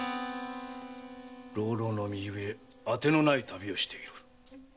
浪々の身ゆえ当てのない旅をしておる。